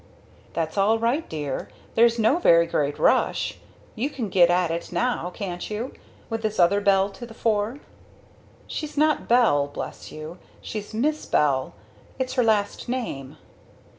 "That's all right, dear, there's no very great rush. You can get at it now, can't you with this other Belle to the fore?" "She's not Belle, bless you she's 'Miss Bell.' It's her last name."